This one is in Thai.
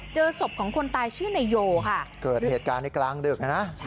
เจอศพของคนตายชื่อนายโยค่ะเกิดเหตุการณ์ในกลางดึกนะ